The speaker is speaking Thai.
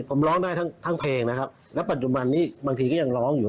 ผมร้องได้ทั้งเพลงนะครับแล้วปัจจุบันนี้บางทีก็ยังร้องอยู่